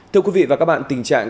thưa quý vị và các bạn tình trạng